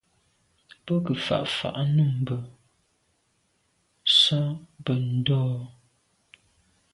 Be ke mfà’ fà’ à num bam s’a be ndô.